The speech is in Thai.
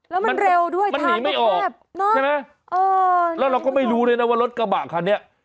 แล้วมันเร็วด้วยมันหนีไม่ออกใช่ไหมเออแล้วเราก็ไม่รู้ด้วยนะว่ารถกระบะคันนี้